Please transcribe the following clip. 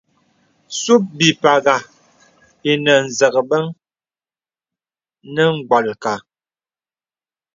Sùp bìpàghà ìnə zəkbən nə mgbōlka.